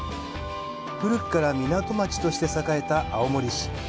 古くから港町として栄えた青森市。